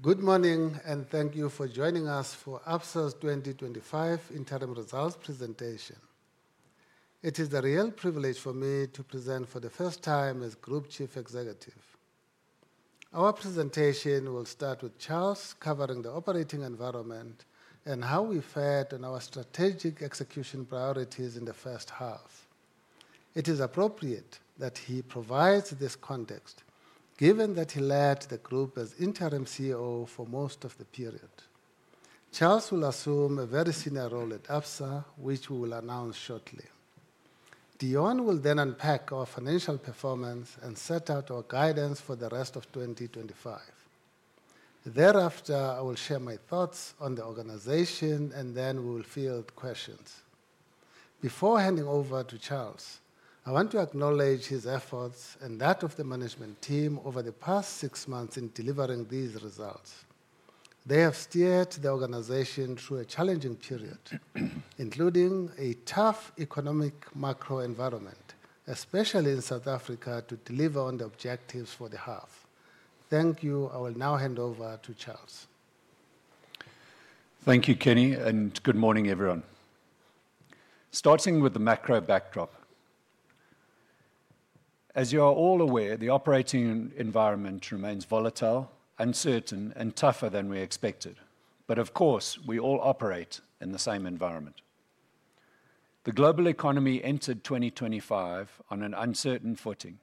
Good morning and thank you for joining us for Absa's 2025 interim results presentation. It is a real privilege for me to present for the first time as Group Chief Executive. Our presentation will start with Charles covering the operating environment and how we fared on our strategic execution priorities in the first half. It is appropriate that he provides this context, given that he led the group as Interim CEO for most of the period. Charles will assume a very senior role at Absa, which we will announce shortly. Deon will then unpack our financial performance and set out our guidance for the rest of 2025. Thereafter, I will share my thoughts on the organization and then we will field questions. Before handing over to Charles, I want to acknowledge his efforts and that of the management team over the past six months in delivering these results. They have steered the organization through a challenging period, including a tough economic macroeconomic environment, especially in South Africa, to deliver on the objectives for the half. Thank you. I will now hand over to Charles. Thank you, Kenny, and good morning, everyone. Starting with the macro backdrop. As you are all aware, the operating environment remains volatile, uncertain, and tougher than we expected. Of course, we all operate in the same environment. The global economy entered 2025 on an uncertain footing,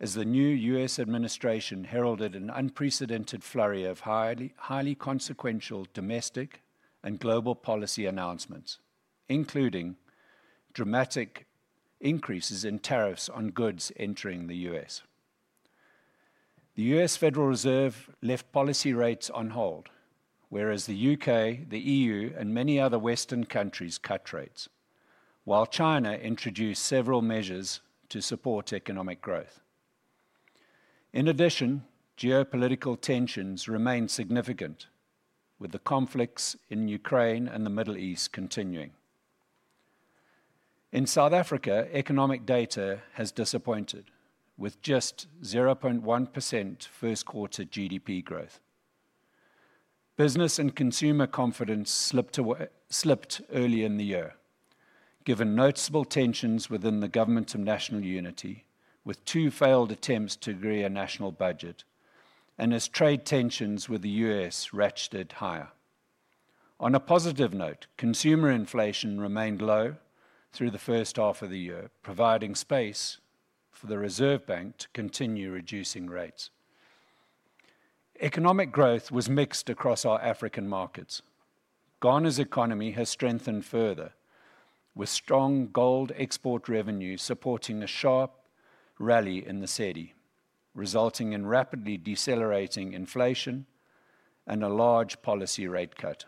as the new U.S. administration heralded an unprecedented flurry of highly consequential domestic and global policy announcements, including dramatic increases in tariffs on goods entering the U.S. The U.S. Federal Reserve left policy rates on hold, whereas the U.K., the EU, and many other Western countries cut rates, while China introduced several measures to support economic growth. In addition, geopolitical tensions remain significant, with the conflicts in Ukraine and the Middle East continuing. In South Africa, economic data has disappointed, with just 0.1% first-quarter GDP growth. Business and consumer confidence slipped early in the year, given noticeable tensions within the government and national unity, with two failed attempts to agree on a national budget, as trade tensions with the U.S. ratcheted higher. On a positive note, consumer inflation remained low through the first half of the year, providing space for the Reserve Bank to continue reducing rates. Economic growth was mixed across our African markets. Ghana's economy has strengthened further, with strong gold export revenue supporting a sharp rally in the CEDI, resulting in rapidly decelerating inflation and a large policy rate cut.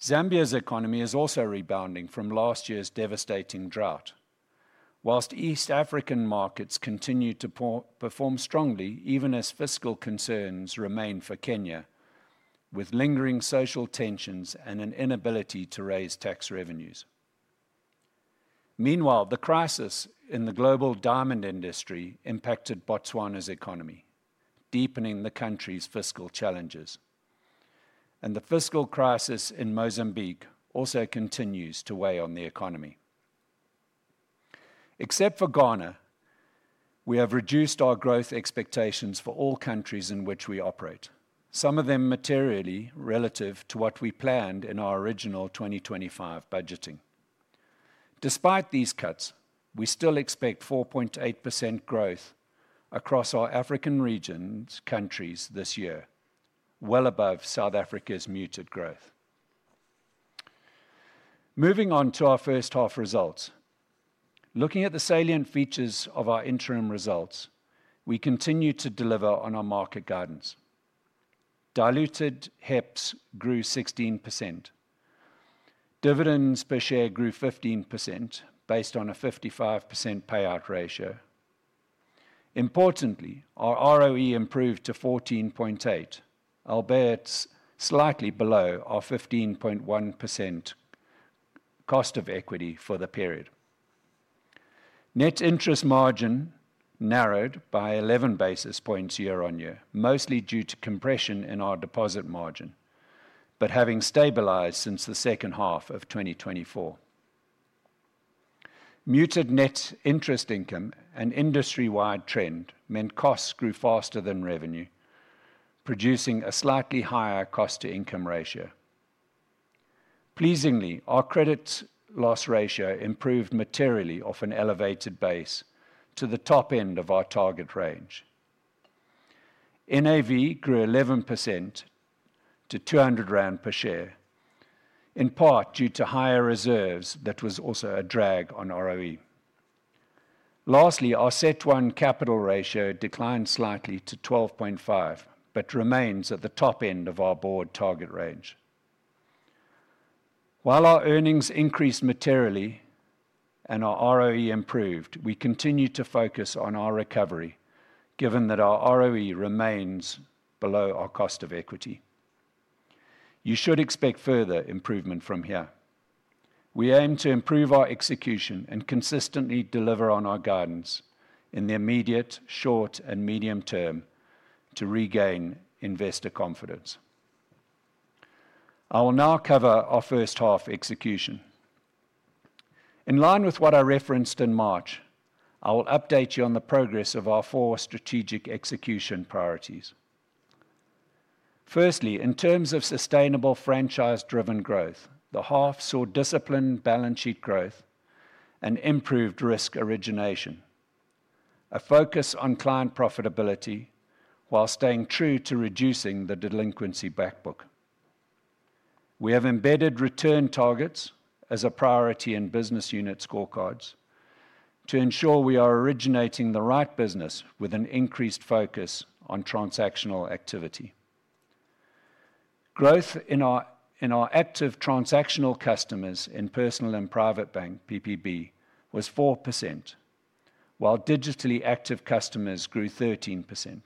Zambia's economy is also rebounding from last year's devastating drought, whilst East African markets continue to perform strongly, even as fiscal concerns remain for Kenya, with lingering social tensions and an inability to raise tax revenues. Meanwhile, the crisis in the global diamond industry impacted Botswana's economy, deepening the country's fiscal challenges. The fiscal crisis in Mozambique also continues to weigh on the economy. Except for Ghana, we have reduced our growth expectations for all countries in which we operate, some of them materially relative to what we planned in our original 2025 budgeting. Despite these cuts, we still expect 4.8% growth across our African region countries this year, well above South Africa's muted growth. Moving on to our first half results. Looking at the salient features of our interim results, we continue to deliver on our market guidance. Diluted HEPS grew 16%. Dividends per share grew 15%, based on a 55% payout ratio. Importantly, our ROE improved to 14.8%, albeit slightly below our 15.1% cost of equity for the period. Net interest margin narrowed by 11 basis points year-on-year, mostly due to compression in our deposit margin, but having stabilized since the second half of 2024. Muted net interest income, an industry-wide trend, meant costs grew faster than revenue, producing a slightly higher cost-to-income ratio. Pleasingly, our credit loss ratio improved materially off an elevated base to the top end of our target range. NAV grew 11% to 200 rand per share, in part due to higher reserves that were also a drag on ROE. Lastly, our CET1 capital ratio declined slightly to 12.5%, but remains at the top end of our board target range. While our earnings increased materially and our ROE improved, we continue to focus on our recovery, given that our ROE remains below our cost of equity. You should expect further improvement from here. We aim to improve our execution and consistently deliver on our guidance in the immediate, short, and medium term to regain investor confidence. I will now cover our first half execution. In line with what I referenced in March, I will update you on the progress of our four strategic execution priorities. Firstly, in terms of sustainable franchise-driven growth, the half saw disciplined balance sheet growth and improved risk origination, a focus on client profitability while staying true to reducing the delinquency backbook. We have embedded return targets as a priority in business unit scorecards to ensure we are originating the right business with an increased focus on transactional activity. Growth in our active transactional customers in personal and private banking, PPB was 4%, while digitally active customers grew 13%.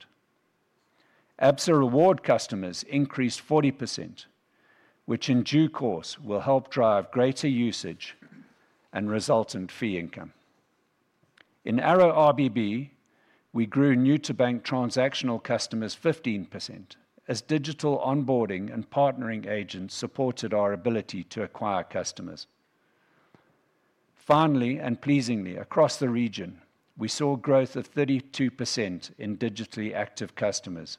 Absa Reward customers increased 40%, which in due course will help drive greater usage and resultant fee income. In ARO RBB, we grew new-to-bank transactional customers 15%, as digital onboarding and partnering agents supported our ability to acquire customers. Finally, and pleasingly, across the region, we saw growth of 32% in digitally active customers,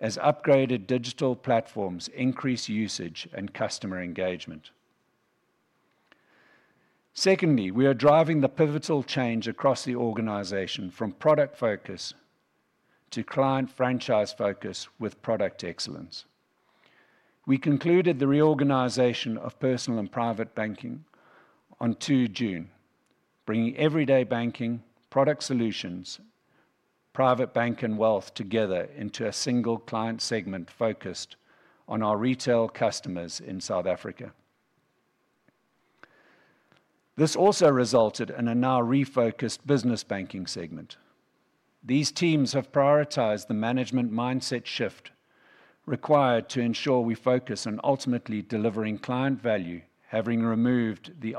as upgraded digital platforms increase usage and customer engagement. Secondly, we are driving the pivotal change across the organization from product focus to client franchise focus with product excellence. We concluded the reorganization of personal and private banking on 2 June, bringing everyday banking, product solutions, private bank, and wealth together into a single client segment focused on our retail customers in South Africa. This also resulted in a now refocused business banking segment. These teams have prioritized the management mindset shift required to ensure we focus on ultimately delivering client value, having removed the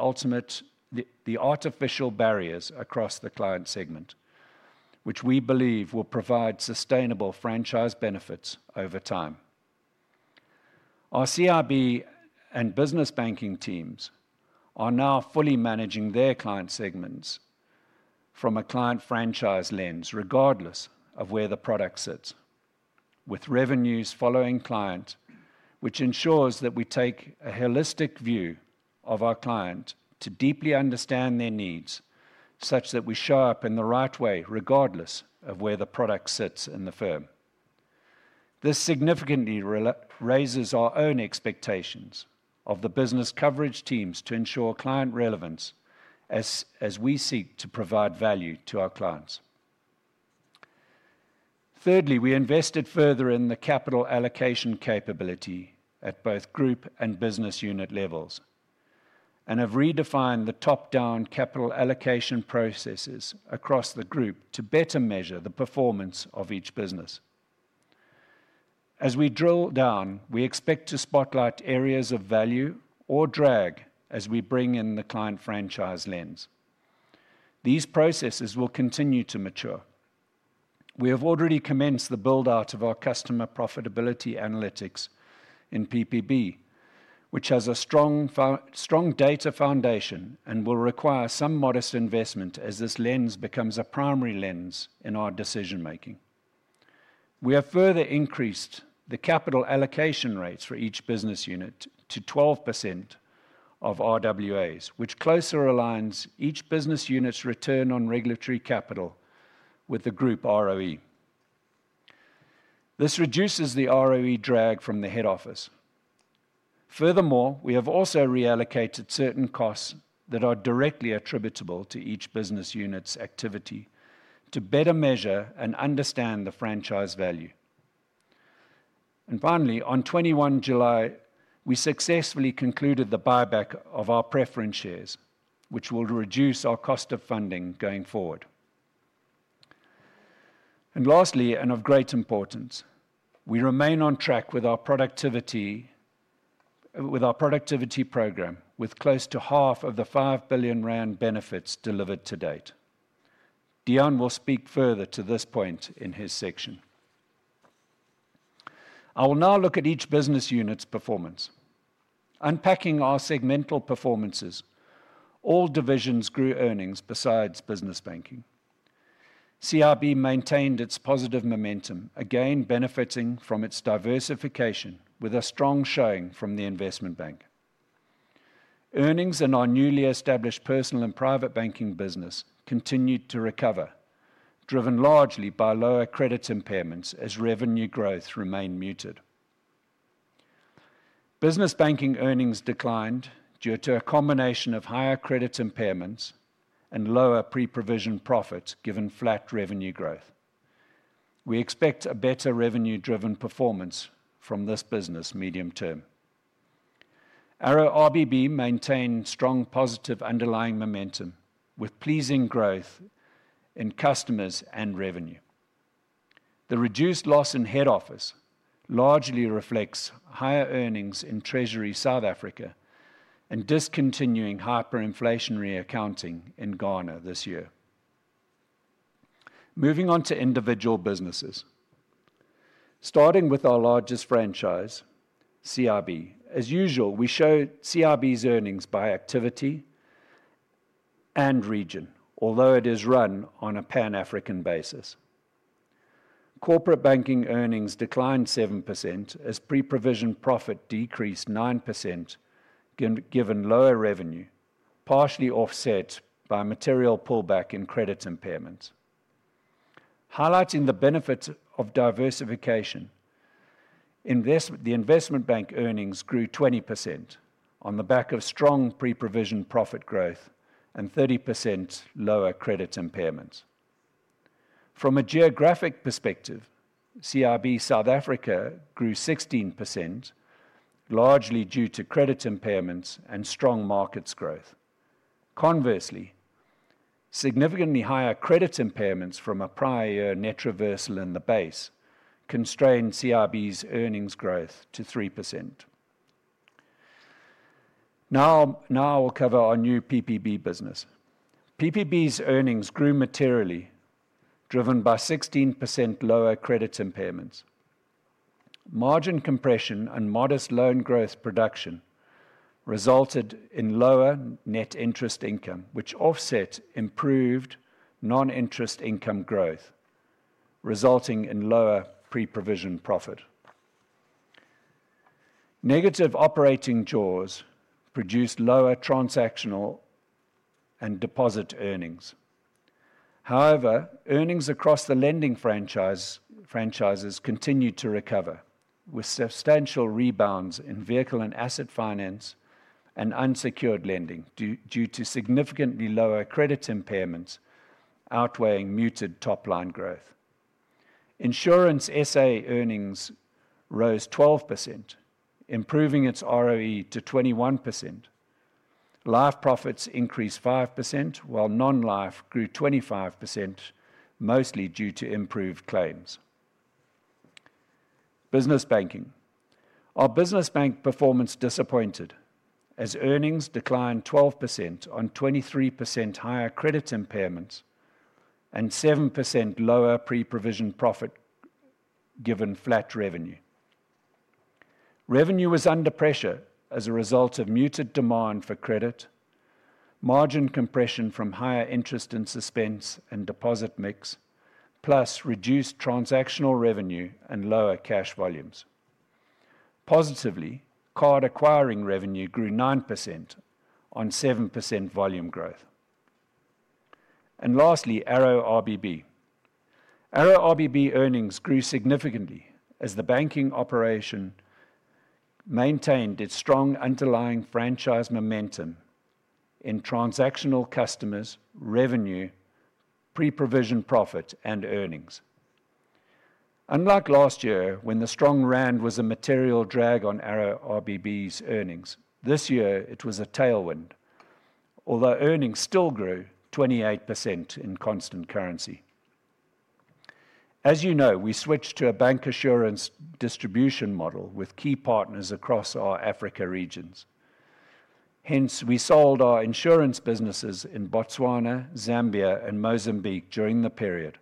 artificial barriers across the client segment, which we believe will provide sustainable franchise benefits over time. Our CRB and business banking teams are now fully managing their client segments from a client franchise lens, regardless of where the product sits, with revenues following clients, which ensures that we take a holistic view of our client to deeply understand their needs, such that we show up in the right way, regardless of where the product sits in the firm. This significantly raises our own expectations of the business coverage teams to ensure client relevance as we seek to provide value to our clients. Thirdly, we invested further in the capital allocation capability at both group and business unit levels and have redefined the top-down capital allocation processes across the group to better measure the performance of each business. As we drill down, we expect to spotlight areas of value or drag as we bring in the client franchise lens. These processes will continue to mature. We have already commenced the build-out of our customer profitability analytics in PPB, which has a strong data foundation and will require some modest investment as this lens becomes a primary lens in our decision-making. We have further increased the capital allocation rates for each business unit to 12% of RWAs, which closer aligns each business unit's return on regulatory capital with the group ROE. This reduces the ROE drag from the head office. Furthermore, we have also reallocated certain costs that are directly attributable to each business unit's activity to better measure and understand the franchise value. Finally, on 21 July, we successfully concluded the buyback of our preferent shares, which will reduce our cost of funding going forward. Lastly, and of great importance, we remain on track with our productivity program, with close to half of the 5 billion rand benefits delivered to date. Deon will speak further to this point in his section. I will now look at each business unit's performance. Unpacking our segmental performances, all divisions grew earnings besides business banking. CRB maintained its positive momentum, again benefiting from its diversification with a strong showing from the investment bank. Earnings in our newly established personal and private banking business continued to recover, driven largely by lower credit impairments as revenue growth remained muted. Business banking earnings declined due to a combination of higher credit impairments and lower pre-provision profits, given flat revenue growth. We expect a better revenue-driven performance from this business medium term. ARO RBB maintains strong positive underlying momentum, with pleasing growth in customers and revenue. The reduced loss in head office largely reflects higher earnings in Treasury South Africa and discontinuing hyperinflationary accounting in Ghana this year. Moving on to individual businesses. Starting with our largest franchise, CRB, as usual, we show CRB's earnings by activity and region, although it is run on a pan-African basis. Corporate banking earnings declined 7% as pre-provision profit decreased 9%, given lower revenue, partially offset by material pullback in credit impairments. Highlighting the benefits of diversification, the investment bank earnings grew 20% on the back of strong pre-provision profit growth and 30% lower credit impairments. From a geographic perspective, CRB South Africa grew 16%, largely due to credit impairments and strong markets growth. Conversely, significantly higher credit impairments from a prior year net reversal in the base constrained CRB's earnings growth to 3%. Now, we'll cover our new PPB business. PPB's earnings grew materially, driven by 16% lower credit impairments. Margin compression and modest loan growth production resulted in lower net interest income, which offset improved non-interest income growth, resulting in lower pre-provision profit. Negative operating jaws produced lower transactional and deposit earnings. However, earnings across the lending franchises continue to recover, with substantial rebounds in vehicle and asset finance and unsecured lending due to significantly lower credit impairments outweighing muted top-line growth. Insurance SA earnings rose 12%, improving its ROE to 21%. Life profits increased 5%, while non-life grew 25%, mostly due to improved claims. Business banking. Our business bank performance disappointed as earnings declined 12% on 23% higher credit impairments and 7% lower pre-provision profit, given flat revenue. Revenue was under pressure as a result of muted demand for credit, margin compression from higher interest in suspense and deposit mix, plus reduced transactional revenue and lower cash volumes. Positively, card acquiring revenue grew 9% on 7% volume growth. Lastly, ARO RBB. ARO RBB earnings grew significantly as the banking operation maintained its strong underlying franchise momentum in transactional customers, revenue, pre-provision profit, and earnings. Unlike last year, when the strong rand was a material drag on ARO RBB's earnings, this year it was a tailwind, although earnings still grew 28% in constant currency. As you know, we switched to a bank assurance distribution model with key partners across our Africa regions. Hence, we sold our insurance businesses in Botswana, Zambia, and Mozambique during the period,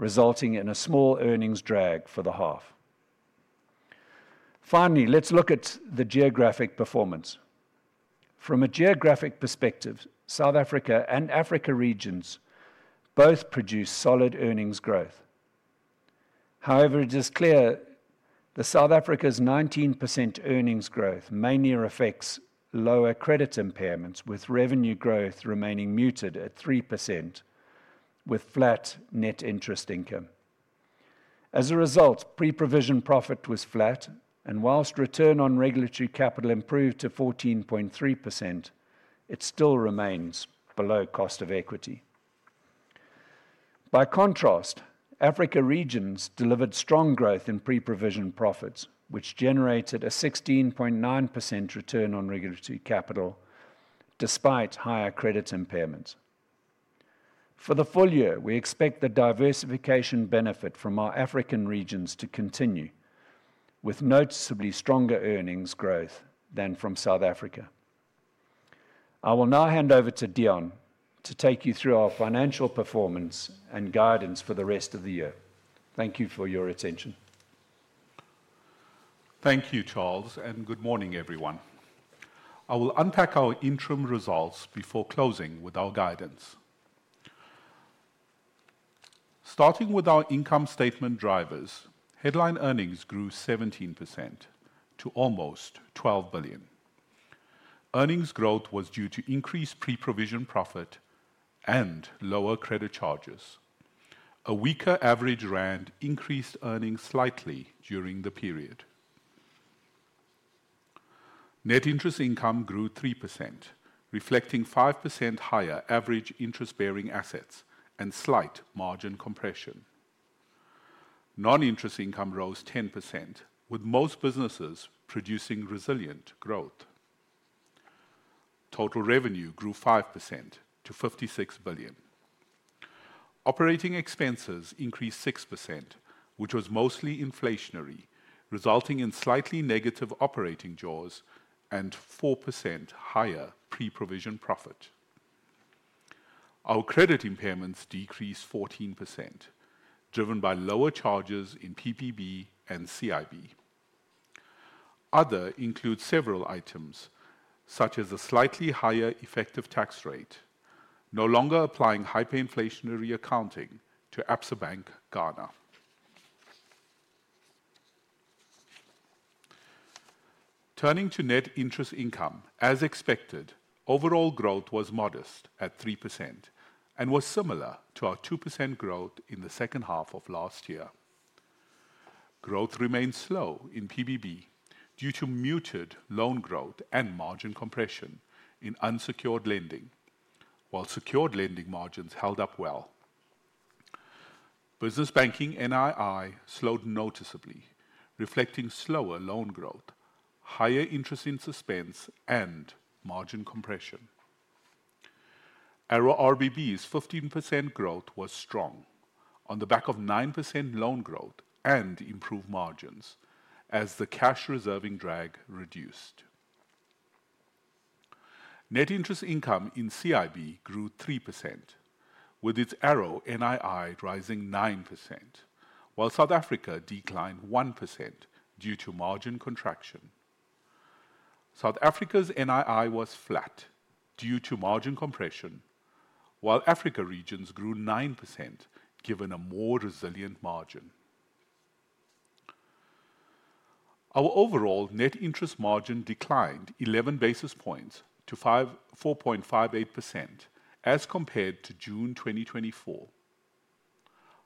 resulting in a small earnings drag for the half. Finally, let's look at the geographic performance. From a geographic perspective, South Africa and Africa regions both produce solid earnings growth. However, it is clear that South Africa's 19% earnings growth mainly reflects lower credit impairments, with revenue growth remaining muted at 3%, with flat net interest income. As a result, pre-provision profit was flat, and whilst return on regulatory capital improved to 14.3%, it still remains below cost of equity. By contrast, Africa regions delivered strong growth in pre-provision profits, which generated a 16.9% return on regulatory capital, despite higher credit impairments. For the full year, we expect the diversification benefit from our African regions to continue, with noticeably stronger earnings growth than from South Africa. I will now hand over to Deon to take you through our financial performance and guidance for the rest of the year. Thank you for your attention. Thank you, Charles, and good morning, everyone. I will unpack our interim results before closing with our guidance. Starting with our income statement drivers, headline earnings grew 17% to almost 12 billion ZAR. Earnings growth was due to increased pre-provision profit and lower credit charges. A weaker average rand increased earnings slightly during the period. Net interest income grew 3%, reflecting 5% higher average interest-bearing assets and slight margin compression. Non-interest revenue rose 10%, with most businesses producing resilient growth. Total revenue grew 5% to 56 billion. Operating expenses increased 6%, which was mostly inflationary, resulting in slightly negative operating jaws and 4% higher pre-provision profit. Our credit impairments decreased 14%, driven by lower charges in personal and private banking and corporate and investment banking. Other include several items, such as a slightly higher effective tax rate, no longer applying hyperinflationary accounting to Absa Bank Ghana. Turning to net interest income, as expected, overall growth was modest at 3% and was similar to our 2% growth in the second half of last year. Growth remains slow in personal and private banking due to muted loan growth and margin compression in unsecured lending, while secured lending margins held up well. Business banking net interest income slowed noticeably, reflecting slower loan growth, higher interest in suspense, and margin compression. ARO RBB's 15% growth was strong, on the back of 9% loan growth and improved margins, as the cash reserving drag reduced. Net interest income in corporate and investment banking grew 3%, with its ARO NII rising 9%, while South Africa declined 1% due to margin contraction. South Africa's NII was flat due to margin compression, while Africa regions grew 9%, given a more resilient margin. Our overall net interest margin declined 11 basis points to 4.58% as compared to June 2024.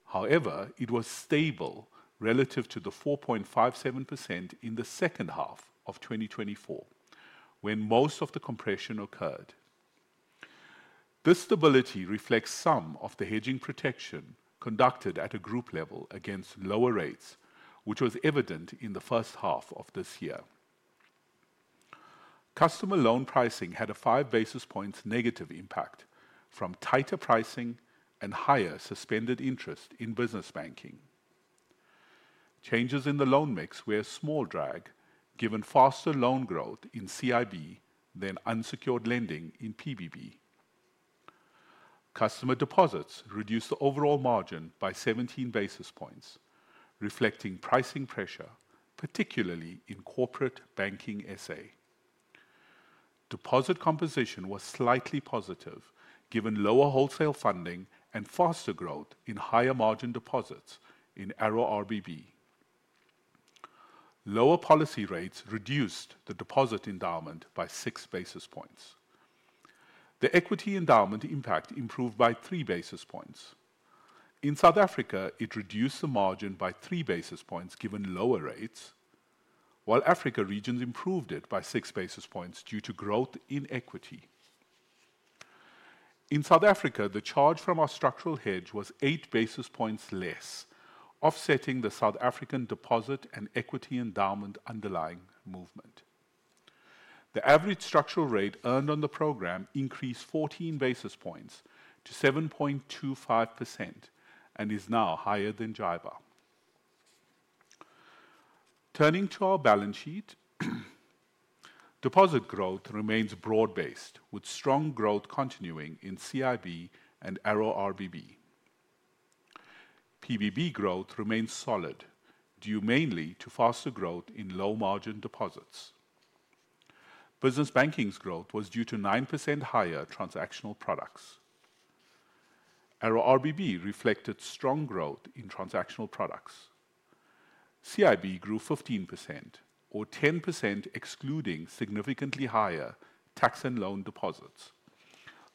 However, it was stable relative to the 4.57% in the second half of 2024, when most of the compression occurred. This stability reflects some of the hedging protection conducted at a group level against lower rates, which was evident in the first half of this year. Customer loan pricing had a 5 basis points negative impact from tighter pricing and higher suspended interest in business banking. Changes in the loan mix were a small drag, given faster loan growth in corporate and investment banking than unsecured lending in personal and private banking. Customer deposits reduced the overall margin by 17 basis points, reflecting pricing pressure, particularly in corporate banking S.A. Deposit composition was slightly positive, given lower wholesale funding and faster growth in higher margin deposits in ARO RBB. Lower policy rates reduced the deposit endowment by 6 basis points. The equity endowment impact improved by 3 basis points. In South Africa, it reduced the margin by 3 basis points given lower rates, while Africa regions improved it by 6 basis points due to growth in equity. In South Africa, the charge from our structural hedge was 8 basis points less, offsetting the South African deposit and equity endowment underlying movement. The average structural rate earned on the program increased 14 basis points to 7.25% and is now higher than JIBAR. Turning to our balance sheet, deposit growth remains broad-based, with strong growth continuing in corporate and investment banking and ARO RBB. Personal and private banking growth remains solid, due mainly to faster growth in low margin deposits. Business banking's growth was due to 9% higher transactional products. ARO RBB reflected strong growth in transactional products. Corporate and investment banking grew 15%, or 10% excluding significantly higher tax and loan deposits,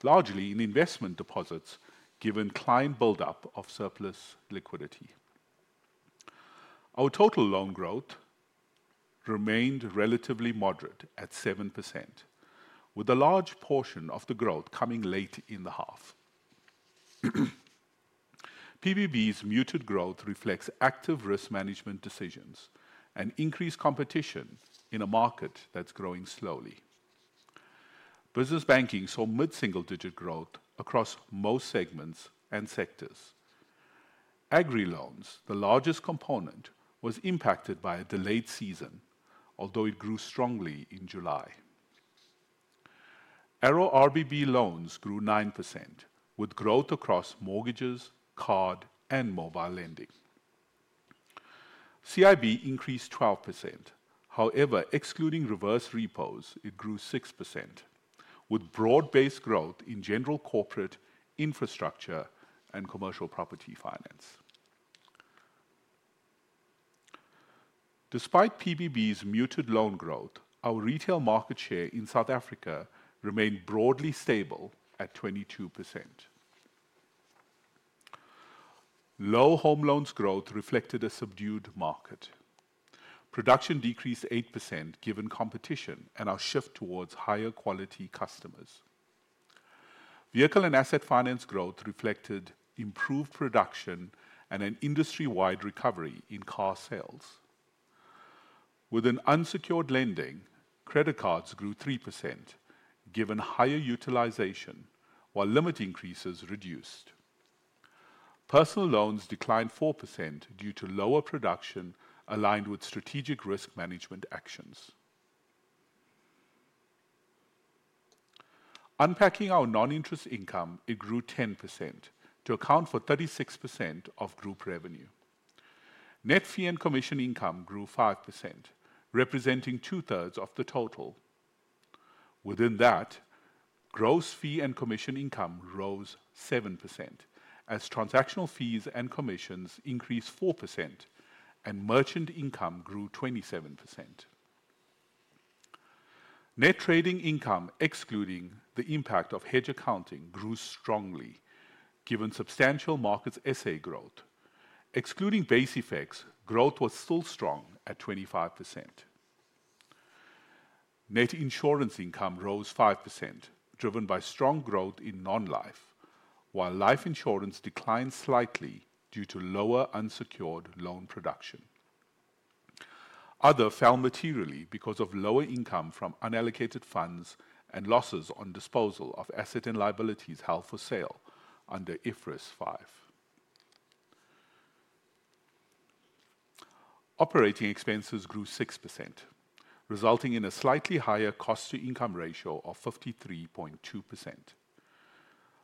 largely in investment deposits given client buildup of surplus liquidity. Our total loan growth remained relatively moderate at 7%, with a large portion of the growth coming late in the half. Personal and private banking's muted growth reflects active risk management decisions and increased competition in a market that's growing slowly. Business banking saw mid-single-digit growth across most segments and sectors. Agri loans, the largest component, was impacted by a delayed season, although it grew strongly in July. ARO RBB loans grew 9%, with growth across mortgages, card, and mobile lending. Corporate and investment banking increased 12%. However, excluding reverse repos, it grew 6%, with broad-based growth in general corporate infrastructure and commercial property finance. Despite personal and private banking's muted loan growth, our retail market share in South Africa remained broadly stable at 22%. Low home loans growth reflected a subdued market. Production decreased 8% given competition and our shift towards higher-quality customers. Vehicle and asset finance growth reflected improved production and an industry-wide recovery in car sales. Within unsecured lending, credit cards grew 3%, given higher utilization, while limit increases reduced. Personal loans declined 4% due to lower production aligned with strategic risk management actions. Unpacking our non-interest income, it grew 10% to account for 36% of group revenue. Net fee and commission income grew 5%, representing two-thirds of the total. Within that, gross fee and commission income rose 7%, as transactional fees and commissions increased 4%, and merchant income grew 27%. Net trading income, excluding the impact of hedge accounting, grew strongly, given substantial markets SA growth. Excluding base effects, growth was still strong at 25%. Net insurance income rose 5%, driven by strong growth in non-life, while life insurance declined slightly due to lower unsecured loan production. Other fell materially because of lower income from unallocated funds and losses on disposal of assets and liabilities held for sale under IFRS 5. Operating expenses grew 6%, resulting in a slightly higher cost-to-income ratio of 53.2%.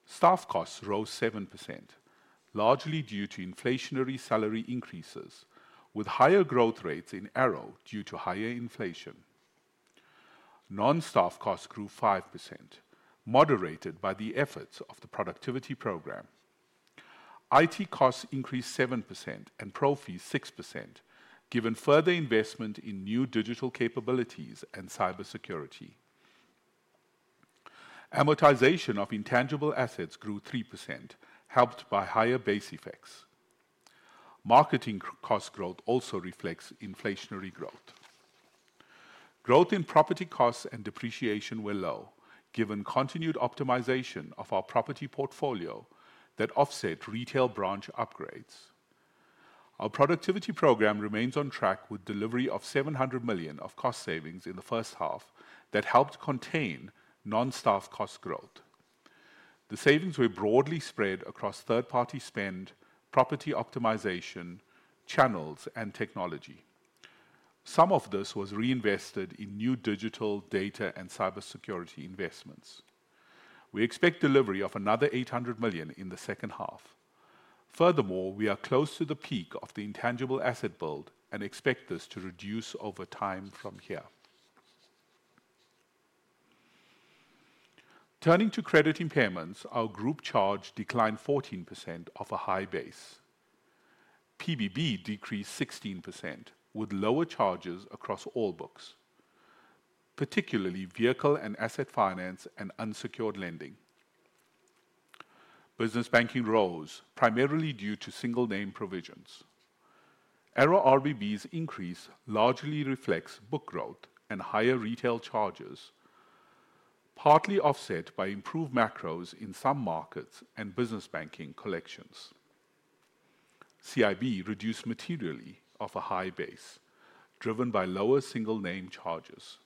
Staff costs rose 7%, largely due to inflationary salary increases, with higher growth rates ARO RBB due to higher inflation. Non-staff costs grew 5%, moderated by the efforts of the productivity program. IT costs increased 7% and pro fees 6%, given further investment in new digital capabilities and cybersecurity. Amortization of intangible assets grew 3%, helped by higher base effects. Marketing cost growth also reflects inflationary growth. Growth in property costs and depreciation were low, given continued optimization of our property portfolio that offset retail branch upgrades. Our productivity program remains on track with delivery of 700 million ZAR of cost savings in the first half that helped contain non-staff cost growth. The savings were broadly spread across third-party spend, property optimization, channels, and technology. Some of this was reinvested in new digital, data, and cybersecurity investments. We expect delivery of another 800 million ZAR in the second half. Furthermore, we are close to the peak of the intangible asset build and expect this to reduce over time from here. Turning to credit impairments, our group charge declined 14% off a high base. PPB decreased 16%, with lower charges across all books, particularly vehicle and asset finance and unsecured lending. Business banking rose primarily due to single-name provisions. ARO RBB's increase largely reflects book growth and higher retail charges, partly offset by improved macros in some markets and business banking collections. Corporate and investment banking reduced materially off a high base, driven by lower single-name charges.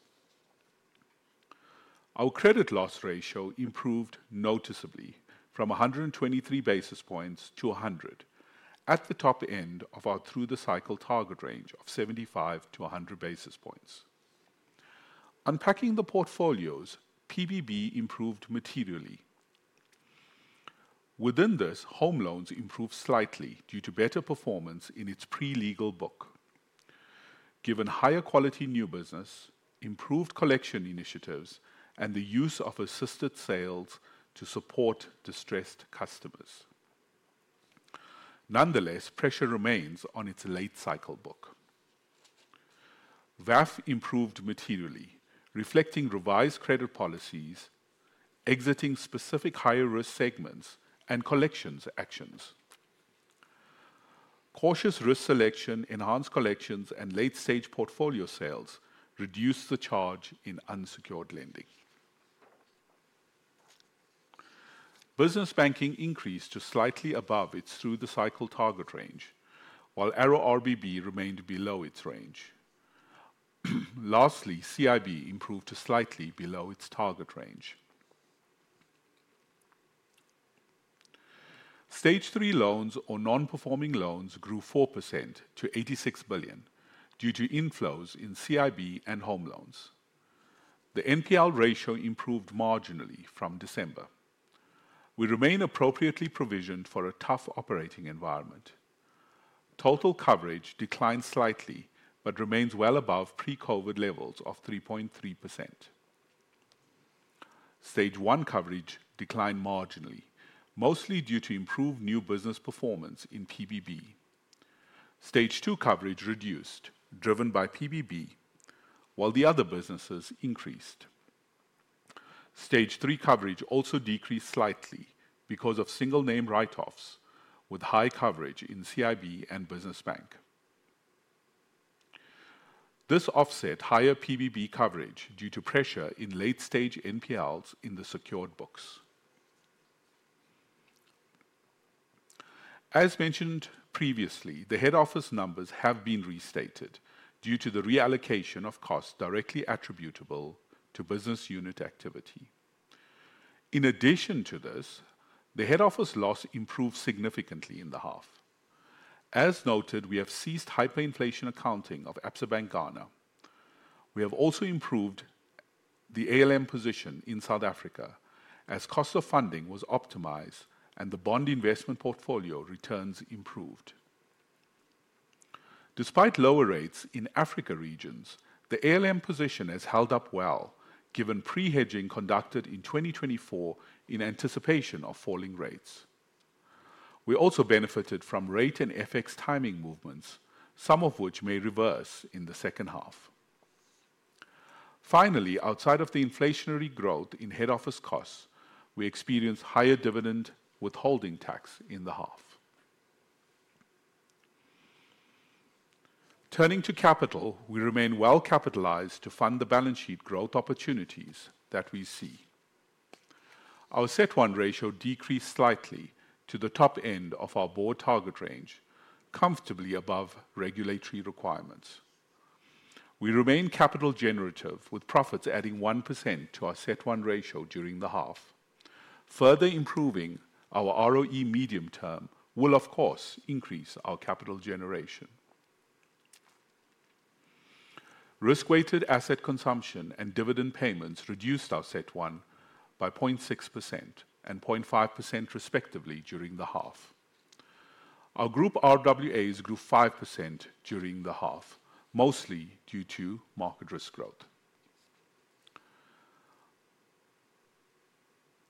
Our credit loss ratio improved noticeably from 123 basis points to 100 basis points, at the top end of our through-the-cycle target range of 75-100 basis points. Unpacking the portfolios, PPB improved materially. Within this, home loans improved slightly due to better performance in its pre-legal book, given higher quality new business, improved collection initiatives, and the use of assisted sales to support distressed customers. Nonetheless, pressure remains on its late cycle book. VAF improved materially, reflecting revised credit policies, exiting specific higher risk segments, and collections actions. Cautious risk selection, enhanced collections, and late-stage portfolio sales reduced the charge in unsecured lending. Business banking increased to slightly above its through-the-cycle target range, while ARO RBB remained below its range. Lastly, CIB improved to slightly below its target range. Stage 3 loans or non-performing loans grew 4% to 86 billion ZAR due to inflows in CIB and home loans. The NPL ratio improved marginally from December. We remain appropriately provisioned for a tough operating environment. Total coverage declined slightly but remains well above pre-COVID levels of 3.3%. Stage 1 coverage declined marginally, mostly due to improved new business performance in PPB. Stage 2 coverage reduced, driven by PPB, while the other businesses increased. Stage 3 coverage also decreased slightly because of single-name write-offs, with high coverage in CIB and business bank. This offset higher PPB coverage due to pressure in late-stage NPLs in the secured books. As mentioned previously, the head office numbers have been restated due to the reallocation of costs directly attributable to business unit activity. In addition to this, the head office loss improved significantly in the half. As noted, we have ceased hyperinflation accounting of Absa Bank Ghana. We have also improved the ALM position in South Africa as cost of funding was optimized and the bond investment portfolio returns improved. Despite lower rates in Africa regions, the ALM position has held up well, given pre-hedging conducted in 2024 in anticipation of falling rates. We also benefited from rate and FX timing movements, some of which may reverse in the second half. Finally, outside of the inflationary growth in head office costs, we experienced higher dividend withholding tax in the half. Turning to capital, we remain well capitalized to fund the balance sheet growth opportunities that we see. Our CET1 ratio decreased slightly to the top end of our board target range, comfortably above regulatory requirements. We remain capital generative, with profits adding 1% to our CET1 ratio during the half. Further improving our ROE medium term will, of course, increase our capital generation. Risk-weighted asset consumption and dividend payments reduced our CET1 by 0.6% and 0.5% respectively during the half. Our group RWAs grew 5% during the half, mostly due to market risk growth.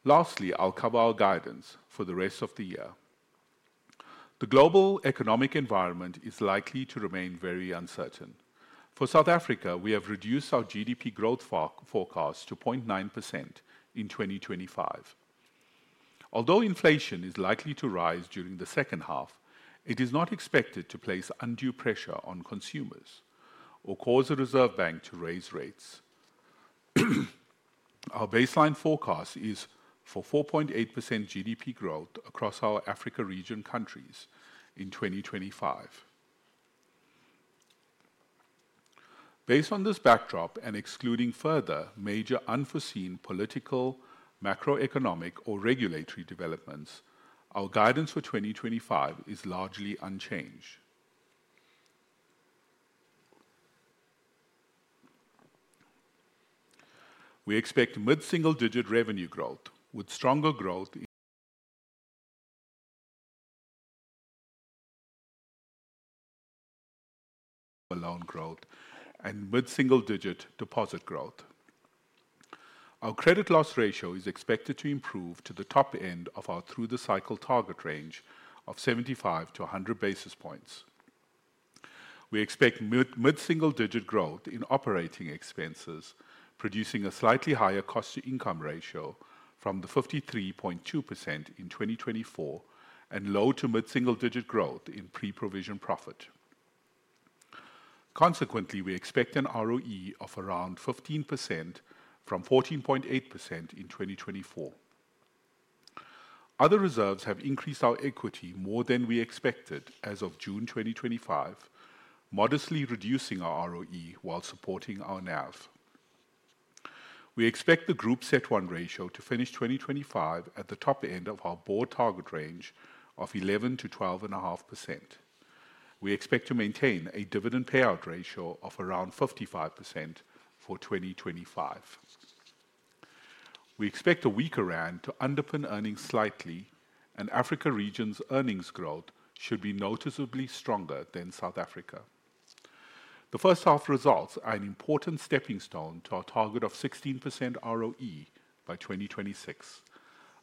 Lastly, I'll cover our guidance for the rest of the year. The global economic environment is likely to remain very uncertain. For South Africa, we have reduced our GDP growth forecast to 0.9% in 2025. Although inflation is likely to rise during the second half, it is not expected to place undue pressure on consumers or cause a reserve bank to raise rates. Our baseline forecast is for 4.8% GDP growth across our Africa region countries in 2025. Based on this backdrop and excluding further major unforeseen political, macroeconomic, or regulatory developments, our guidance for 2025 is largely unchanged. We expect mid-single-digit revenue growth, with stronger growth in loan growth and mid-single-digit deposit growth. Our credit loss ratio is expected to improve to the top end of our through-the-cycle target range of 75-100 basis points. We expect mid-single-digit growth in operating expenses, producing a slightly higher cost-to-income ratio from the 53.2% in 2024 and low to mid-single-digit growth in pre-provision profit. Consequently, we expect an ROE of around 15% from 14.8% in 2024. Other reserves have increased our equity more than we expected as of June 2025, modestly reducing our ROE while supporting our NAV. We expect the group CET1 ratio to finish 2025 at the top end of our board target range of 11% to 12.5%. We expect to maintain a dividend payout ratio of around 55% for 2025. We expect a weaker rand to underpin earnings slightly, and Africa region's earnings growth should be noticeably stronger than South Africa. The first half results are an important stepping stone to our target of 16% ROE by 2026.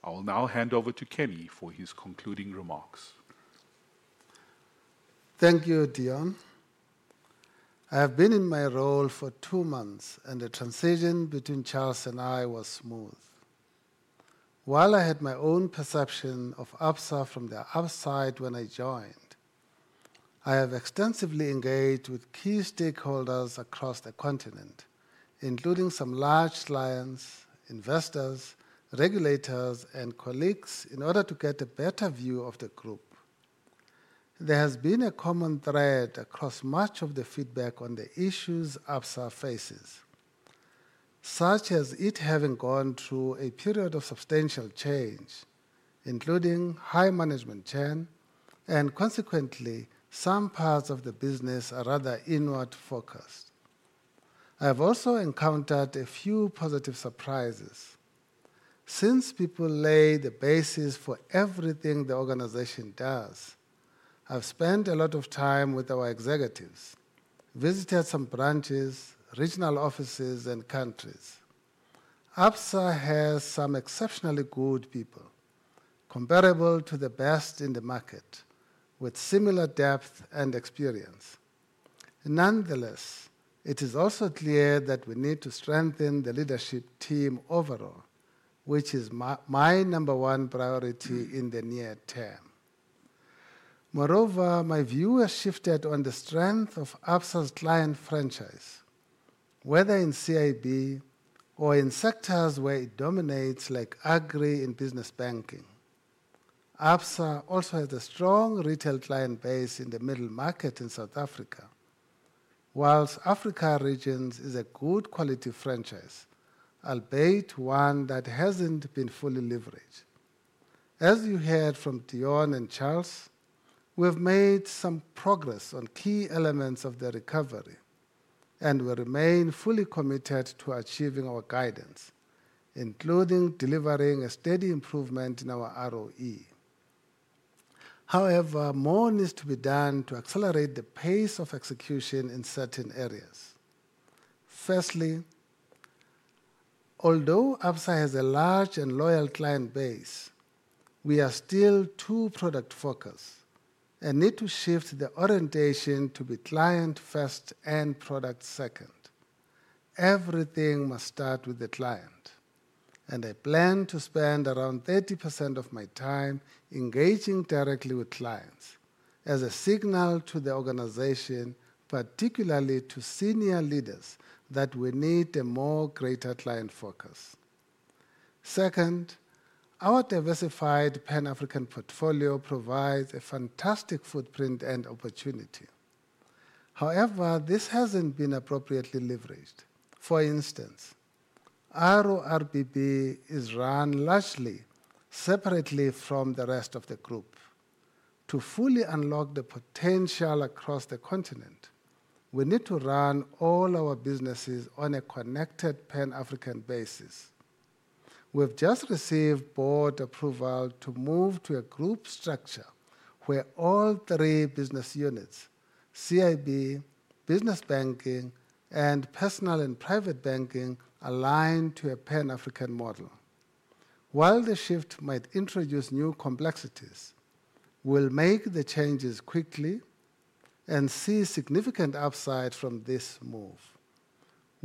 I will now hand over to Kenny for his concluding remarks. Thank you, Deon. I have been in my role for two months, and the transition between Charles and I was smooth. While I had my own perception of Absa from the outside when I joined, I have extensively engaged with key stakeholders across the continent, including some large clients, investors, regulators, and colleagues in order to get a better view of the group. There has been a common thread across much of the feedback on the issues Absa faces, such as it having gone through a period of substantial change, including high management churn, and consequently, some parts of the business are rather inward focused. I have also encountered a few positive surprises. Since people lay the basis for everything the organization does, I've spent a lot of time with our executives, visited some branches, regional offices, and countries. Absa has some exceptionally good people, comparable to the best in the market, with similar depth and experience. Nonetheless, it is also clear that we need to strengthen the leadership team overall, which is my number one priority in the near term. Moreover, my view has shifted on the strength of Absa's client franchise, whether in corporate and investment banking or in sectors where it dominates, like Agri in business banking. Absa also has a strong retail client base in the middle market in South Africa, whilst Africa regions is a good quality franchise, albeit one that hasn't been fully leveraged. As you heard from Deon and Charles, we've made some progress on key elements of the recovery, and we remain fully committed to achieving our guidance, including delivering a steady improvement in our ROE. However, more needs to be done to accelerate the pace of execution in certain areas. Firstly, although Absa has a large and loyal client base, we are still too product-focused and need to shift the orientation to be client first and product second. Everything must start with the client, and I plan to spend around 30% of my time engaging directly with clients as a signal to the organization, particularly to senior leaders, that we need a greater client focus. Second, our diversified Pan-African portfolio provides a fantastic footprint and opportunity. However, this hasn't been appropriately leveraged. For instance, ARO RBB is run largely separately from the rest of the group. To fully unlock the potential across the continent, we need to run all our businesses on a connected Pan-African basis. We've just received board approval to move to a group structure where all three business units, corporate and investment banking, business banking, and personal and private banking, align to a Pan-African model. While the shift might introduce new complexities, we'll make the changes quickly and see significant upside from this move.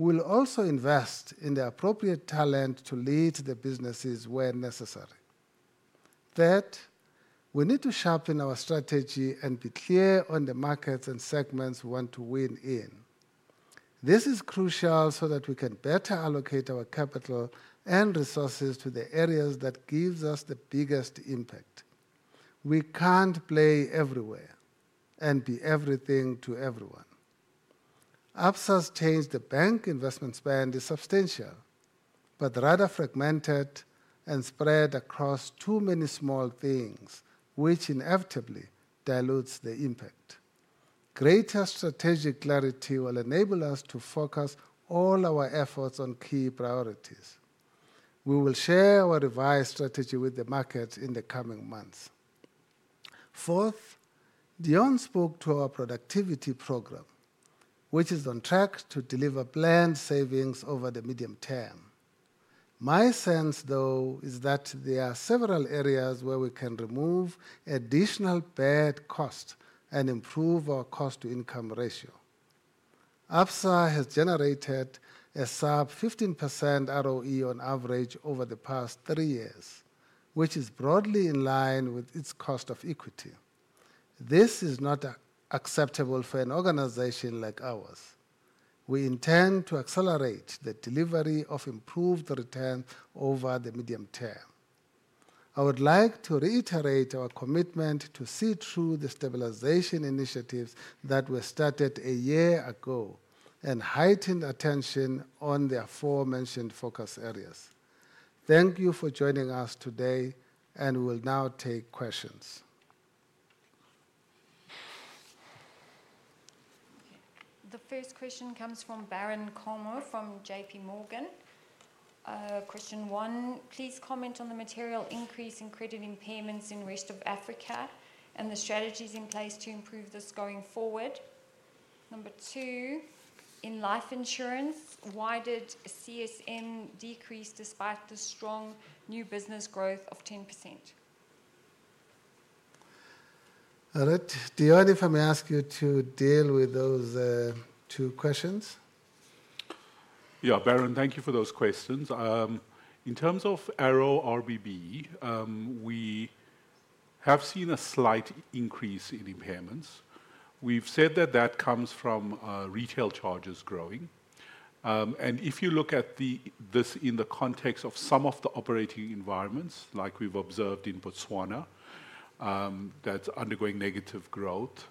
We'll also invest in the appropriate talent to lead the businesses where necessary. Third, we need to sharpen our strategy and be clear on the markets and segments we want to win in. This is crucial so that we can better allocate our capital and resources to the areas that give us the biggest impact. We can't play everywhere and be everything to everyone. Absa's change to bank investment spend is substantial, but rather fragmented and spread across too many small things, which inevitably dilutes the impact. Greater strategic clarity will enable us to focus all our efforts on key priorities. We will share our revised strategy with the markets in the coming months. Fourth, Deon spoke to our productivity program, which is on track to deliver planned savings over the medium term. My sense, though, is that there are several areas where we can remove additional bad costs and improve our cost-to-income ratio. Absa has generated a sub-15% ROE on average over the past three years, which is broadly in line with its cost of equity. This is not acceptable for an organization like ours. We intend to accelerate the delivery of improved returns over the medium term. I would like to reiterate our commitment to see through the stabilization initiatives that were started a year ago and heightened attention on the aforementioned focus areas. Thank you for joining us today, and we'll now take questions. The first question comes from Baron Nkomo from JPMorgan. Question one, please comment on the material increase in credit impairments in the rest of Africa and the strategies in place to improve this going forward. Number two, in life insurance, why did CSM decrease despite the strong new business growth of 10%? All right, Deon, if I may ask you to deal with those two questions? Yeah, Baron, thank you for those questions. In terms of ARO RBB, we have seen a slight increase in impairments. We've said that that comes from retail charges growing. If you look at this in the context of some of the operating environments, like we've observed in Botswana, that's undergoing negative growth.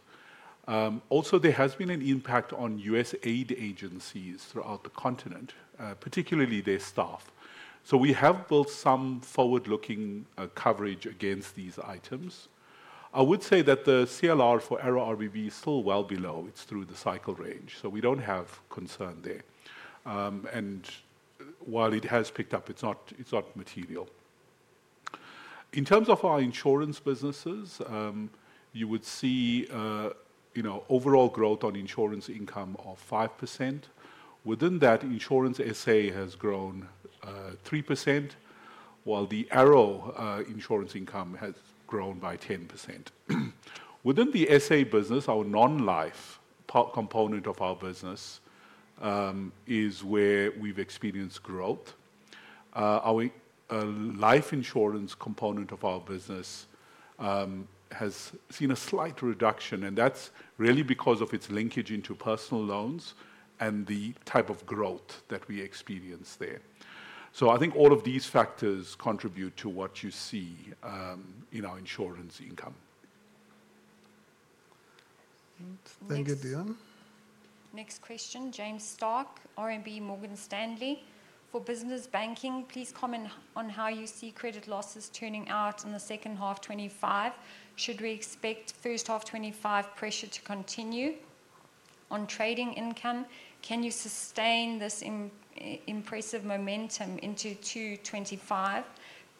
There has also been an impact on U.S. Aid agencies throughout the continent, particularly their staff. We have built some forward-looking coverage against these items. I would say that the CLR for ARO RBB is still well below its through-the-cycle range, so we don't have concern there. While it has picked up, it's not material. In terms of our insurance businesses, you would see overall growth on insurance income of 5%. Within that, insurance S.A. has grown 3%, while the ARO insurance income has grown by 10%. Within the S.A. business, our non-life component of our business is where we've experienced growth. Our life insurance component of our business has seen a slight reduction, and that's really because of its linkage into personal loans and the type of growth that we experience there. I think all of these factors contribute to what you see in our insurance income. Thank you, Deon. Next question, James Starke, RMB Morgan Stanley. For business banking, please comment on how you see credit losses turning out in the second half of 2025. Should we expect first half of 2025 pressure to continue on trading income? Can you sustain this impressive momentum into second half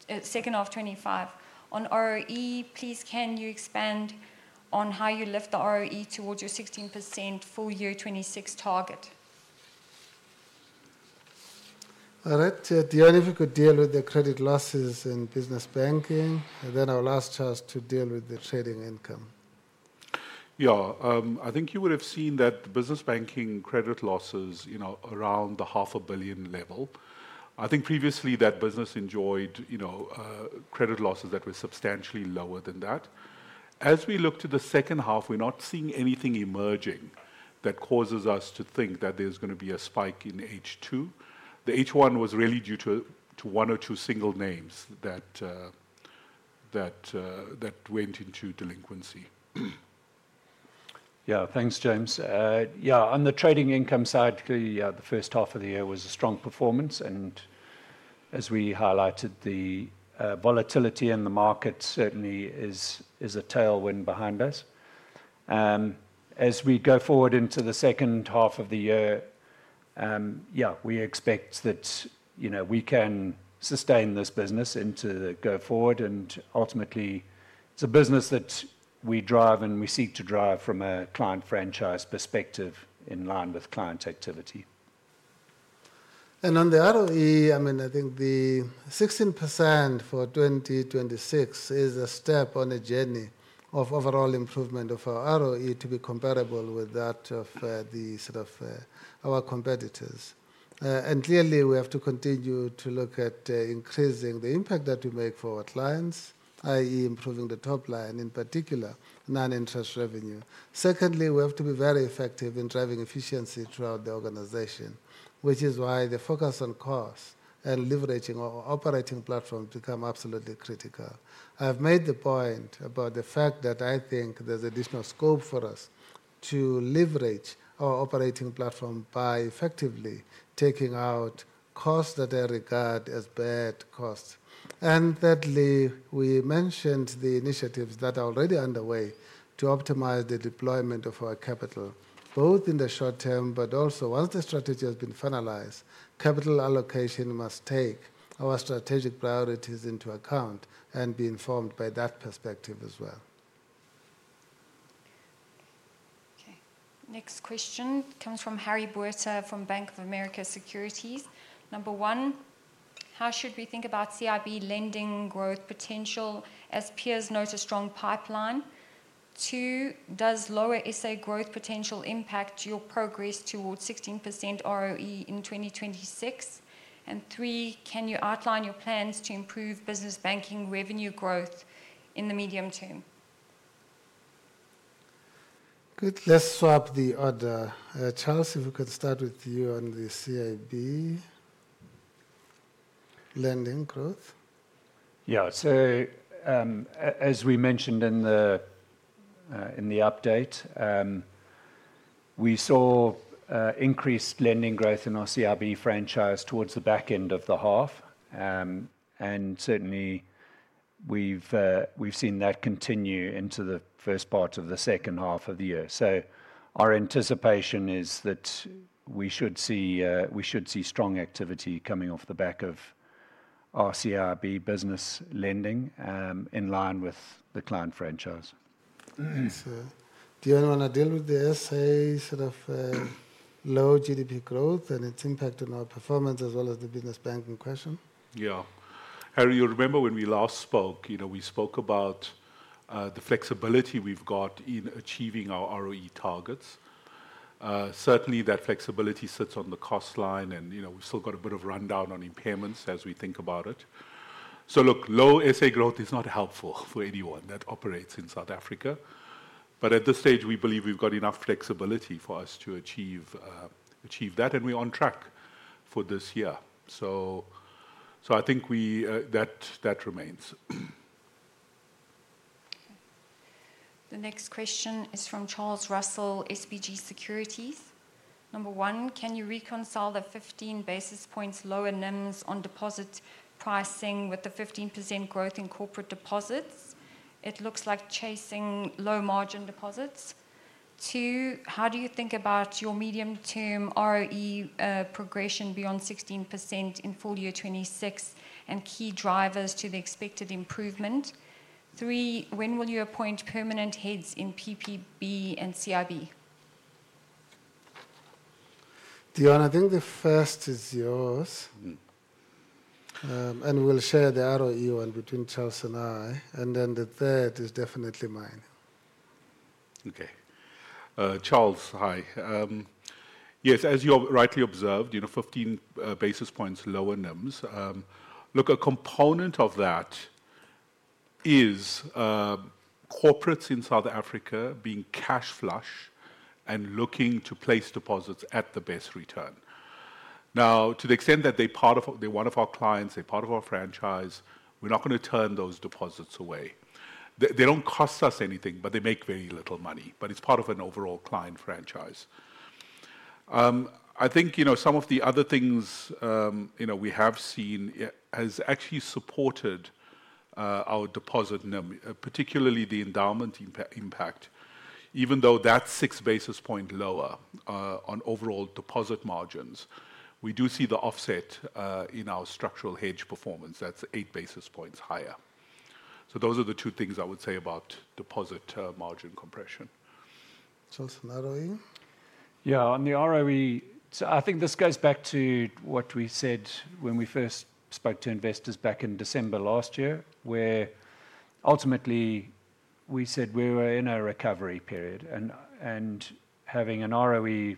of 2025? On ROE, please, can you expand on how you lift the ROE towards your 16% full-year 2026 target? All right, Deon, if you could deal with the credit losses in business banking, and then our last chance to deal with the trading income. Yeah, I think you would have seen that the business banking credit losses are around the 0.5 billion ZAR level. I think previously that business enjoyed credit losses that were substantially lower than that. As we look to the second half, we're not seeing anything emerging that causes us to think that there's going to be a spike in H2. The H1 was really due to one or two single names that went into delinquency. Yeah, thanks, James. On the trading income side, the first half of the year was a strong performance, and as we highlighted, the volatility in the market certainly is a tailwind behind us. As we go forward into the second half of the year, we expect that we can sustain this business into go forward, and ultimately, it's a business that we drive and we seek to drive from a client franchise perspective in line with client activity. On the ROE, I mean, I think the 16% for 2026 is a step on a journey of overall improvement of our ROE to be comparable with that of the sort of our competitors. Clearly, we have to continue to look at increasing the impact that we make for our clients, i.e., improving the top line in particular, non-interest revenue. Secondly, we have to be very effective in driving efficiency throughout the organization, which is why the focus on costs and leveraging our operating platform becomes absolutely critical. I've made the point about the fact that I think there's additional scope for us to leverage our operating platform by effectively taking out costs that are regarded as bad costs. Thirdly, we mentioned the initiatives that are already underway to optimize the deployment of our capital, both in the short term, but also once the strategy has been finalized, capital allocation must take our strategic priorities into account and be informed by that perspective as well. Okay, next question comes from Harry Botha from Bank of America Securities. Number one, how should we think about corporate and investment banking lending growth potential as peers note a strong pipeline? Two, does lower S.A. growth potential impact your progress towards 16% ROE in 2026? Three, can you outline your plans to improve business banking revenue growth in the medium term? Good, let's swap the order. Charles, if we could start with you on the corporate and investment banking lending growth. As we mentioned in the update, we saw increased lending growth in our corporate and investment banking franchise towards the back end of the half, and we've seen that continue into the first part of the second half of the year. Our anticipation is that we should see strong activity coming off the back of our corporate and investment banking business lending in line with the client franchise. Thanks, sir. Deon, want to deal with the S.A. sort of low GDP growth and its impact on our performance as well as the business banking question? Yeah, Harry, you'll remember when we last spoke, you know we spoke about the flexibility we've got in achieving our ROE targets. Certainly, that flexibility sits on the cost line, and you know we've still got a bit of rundown on impairments as we think about it. Low S.A. growth is not helpful for anyone that operates in South Africa, but at this stage, we believe we've got enough flexibility for us to achieve that, and we're on track for this year. I think that remains. The next question is from Charles Russell, SBG Securities. Number one, can you reconcile the 15 basis points lower net interest margins on deposit pricing with the 15% growth in corporate deposits? It looks like chasing low margin deposits. Two, how do you think about your medium-term ROE progression beyond 16% in full year 2026 and key drivers to the expected improvement? Three, when will you appoint permanent heads in personal and private banking and corporate and investment banking? Deon, I think the first is yours, and we'll share the ROE one between Charles and I, and the third is definitely mine. Okay, Charles, hi. Yes, as you rightly observed, you know 15 basis points lower NIMs. Look, a component of that is corporates in South Africa being cash flush and looking to place deposits at the base return. Now, to the extent that they're one of our clients, they're part of our franchise, we're not going to turn those deposits away. They don't cost us anything, but they make very little money, but it's part of an overall client franchise. I think some of the other things we have seen have actually supported our deposit NiM, particularly the endowment impact. Even though that's 6 basis points lower on overall deposit margins, we do see the offset in our structural hedge performance that's 8 basis points higher. Those are the two things I would say about deposit margin compression. Charles, on ROE? Yeah, on the ROE, I think this goes back to what we said when we first spoke to investors back in December last year, where ultimately we said we were in a recovery period and having an ROE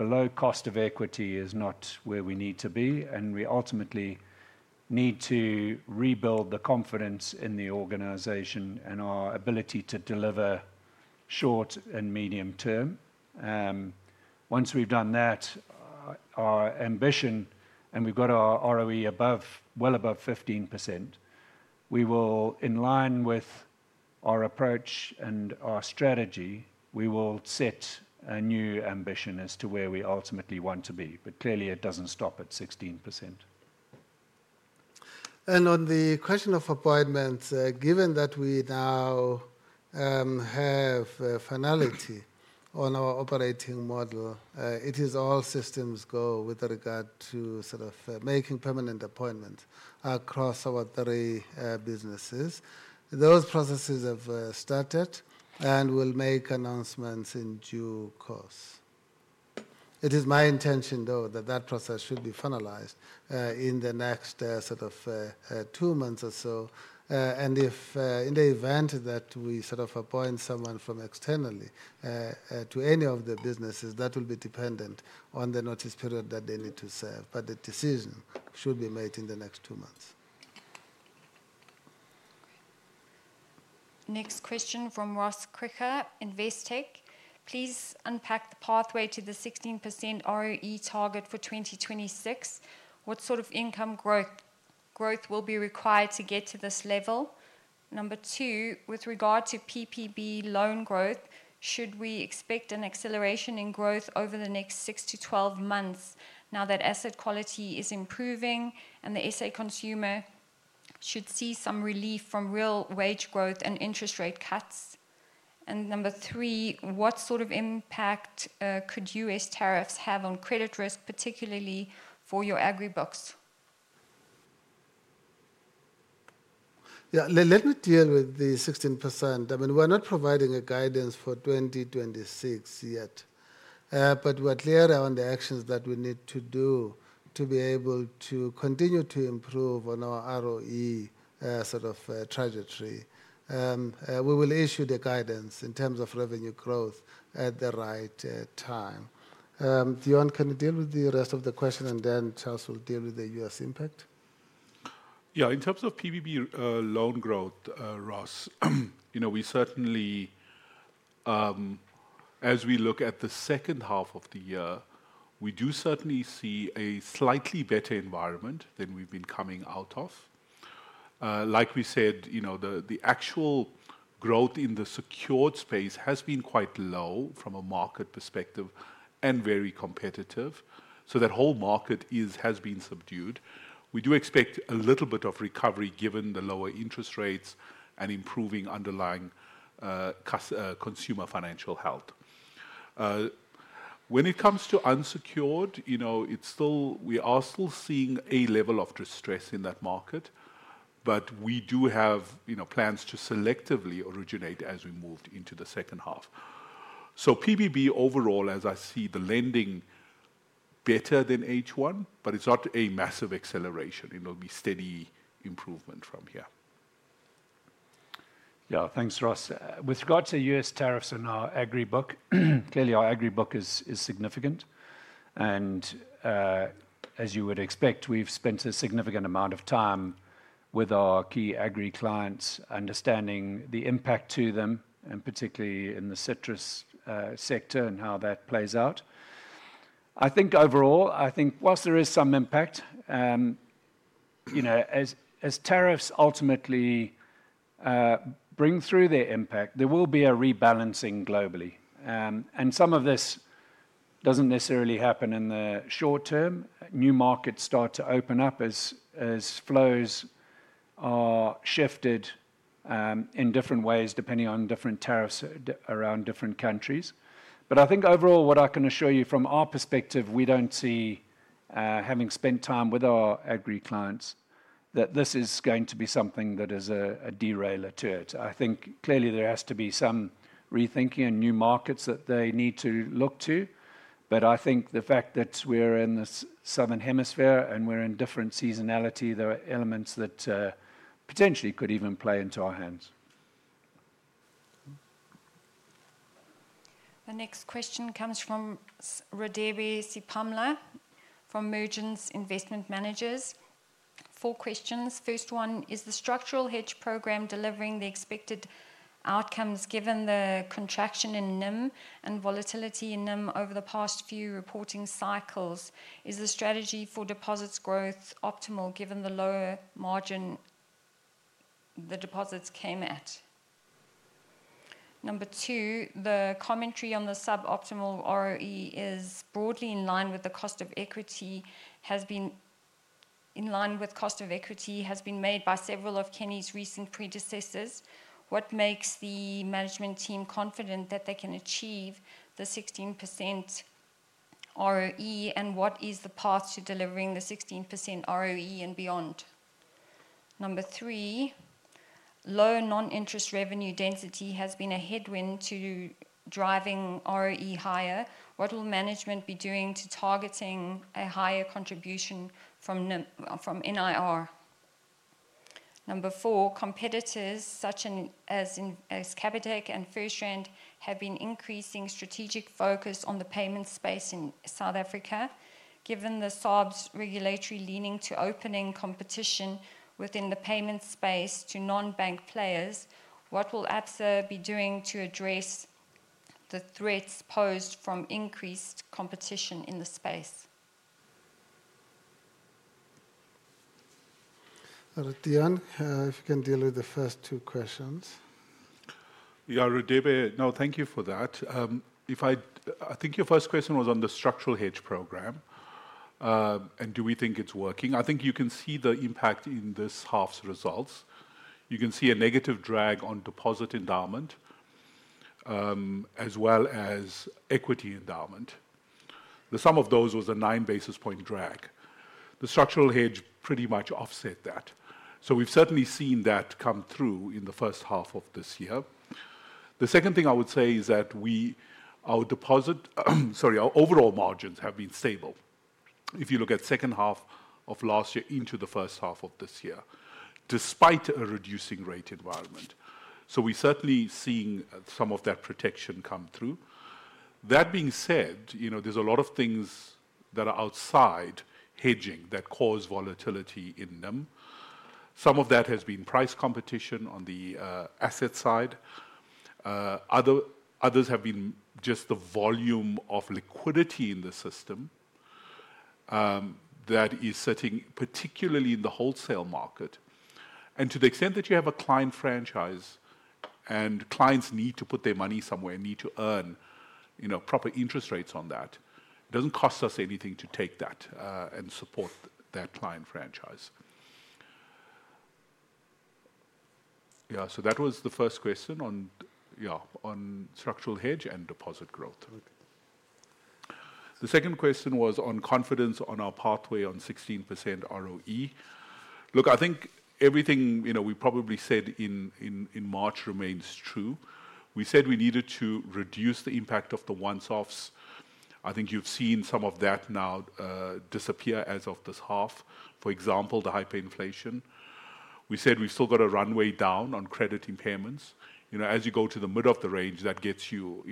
below cost of equity is not where we need to be, and we ultimately need to rebuild the confidence in the organization and our ability to deliver short and medium term. Once we've done that, our ambition, and we've got our ROE above, well above 15%, we will, in line with our approach and our strategy, set a new ambition as to where we ultimately want to be, but clearly it doesn't stop at 16%. On the question of appointments, given that we now have finality on our operating model, it is all systems go with regard to making permanent appointments across our three businesses. Those processes have started and we will make announcements in due course. It is my intention that the process should be finalized in the next two months or so, and if in the event that we appoint someone from externally to any of the businesses, that will be dependent on the notice period that they need to serve, but the decision should be made in the next two months. Next question from Ross Cocker, Investec. Please unpack the pathway to the 16% ROE target for 2026. What sort of income growth will be required to get to this level? Number two, with regard to PPB loan growth, should we expect an acceleration in growth over the next 6-12 months now that asset quality is improving and the South African consumer should see some relief from real wage growth and interest rate cuts? Number three, what sort of impact could U.S. tariffs have on credit risk, particularly for your Agri books? Yeah, let me deal with the 16%. I mean, we're not providing a guidance for 2026 yet, but we're clear on the actions that we need to do to be able to continue to improve on our ROE sort of trajectory. We will issue the guidance in terms of revenue growth at the right time. Deon, can you deal with the rest of the question, and then Charles will deal with the U.S. impact? Yeah, in terms of PPB loan growth, Ross, you know we certainly, as we look at the second half of the year, we do certainly see a slightly better environment than we've been coming out of. Like we said, you know the actual growth in the secured space has been quite low from a market perspective and very competitive, so that whole market has been subdued. We do expect a little bit of recovery given the lower interest rates and improving underlying consumer financial health. When it comes to unsecured, you know we are still seeing a level of distress in that market, but we do have plans to selectively originate as we move into the second half. PPB overall, as I see the lending, better than H1, but it's not a massive acceleration. It will be steady improvement from here. Yeah, thanks, Ross. With regard to U.S. tariffs on our Agri book, clearly our Agri book is significant, and as you would expect, we've spent a significant amount of time with our key Agri clients, understanding the impact to them, and particularly in the citrus sector and how that plays out. I think overall, whilst there is some impact, as tariffs ultimately bring through their impact, there will be a rebalancing globally, and some of this doesn't necessarily happen in the short term. New markets start to open up as flows are shifted in different ways depending on different tariffs around different countries. I think overall, what I can assure you from our perspective, we don't see, having spent time with our Agri clients, that this is going to be something that is a derailer to it. Clearly there has to be some rethinking in new markets that they need to look to, but I think the fact that we're in the southern hemisphere and we're in different seasonality, there are elements that potentially could even play into our hands. The next question comes from Radebe Sipamla from Mergence Investment Managers. Four questions. First one, is the structural hedge program delivering the expected outcomes given the contraction in net interest margin and volatility in net interest margin over the past few reporting cycles? Is the strategy for deposits growth optimal given the lower margin the deposits came at? Number two, the commentary on the suboptimal ROE is broadly in line with the cost of equity has been in line with the cost of equity has been made by several of Kenny's recent predecessors. What makes the management team confident that they can achieve the 16% ROE, and what is the path to delivering the 16% ROE and beyond? Number three, low non-interest revenue density has been a headwind to driving ROE higher. What will management be doing to targeting a higher contribution from non-interest revenue? Number four, competitors such as Capitec and FirstRand have been increasing strategic focus on the payment space in South Africa. Given the SARB's regulatory leaning to opening competition within the payment space to non-bank players, what will Absa be doing to address the threats posed from increased competition in the space? Deon, if you can deal with the first two questions. Yeah, Radebe, no, thank you for that. I think your first question was on the structural hedge program, and do we think it's working? I think you can see the impact in this half's results. You can see a negative drag on deposit endowment as well as equity endowment. The sum of those was a 9 basis point drag. The structural hedge pretty much offset that. We've certainly seen that come through in the first half of this year. The second thing I would say is that our deposit, sorry, our overall margins have been stable if you look at the second half of last year into the first half of this year, despite a reducing rate environment. We're certainly seeing some of that protection come through. That being said, there are a lot of things that are outside hedging that cause volatility in them. Some of that has been price competition on the asset side. Others have been just the volume of liquidity in the system that is setting, particularly in the wholesale market. To the extent that you have a client franchise and clients need to put their money somewhere and need to earn proper interest rates on that, it doesn't cost us anything to take that and support that client franchise. That was the first question on structural hedge and deposit growth. The second question was on confidence on our pathway on 16% ROE. I think everything we probably said in March remains true. We said we needed to reduce the impact of the once-offs. I think you've seen some of that now disappear as of this half. For example, the hyperinflation. We said we've still got a runway down on credit impairments. As you go to the middle of the range, that gets you